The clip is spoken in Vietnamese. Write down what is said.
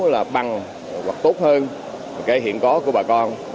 là bằng hoặc tốt hơn cái hiện có của bà con